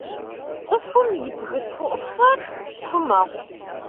Цӏыхум и бгы тхыӏупщӏэр тху мэхъу.